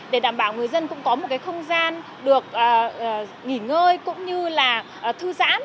để đảm bảo người dân cũng có một cái không gian được nghỉ ngơi cũng như là thư giãn